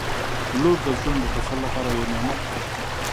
• لور د زړونو د تسل لپاره یو نعمت دی.